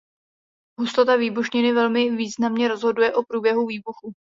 Hustota výbušniny velmi významně rozhoduje o průběhu výbuchu.